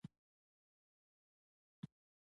احمد وویل خان عادي وښیه او په خوند وخانده.